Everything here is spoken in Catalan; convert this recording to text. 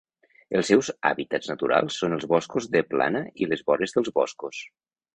Els seus hàbitats naturals són els boscos de plana i les vores dels boscos.